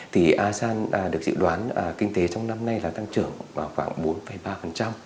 thì asean được dự đoán kinh tế trong năm nay là tăng trưởng khoảng bốn ba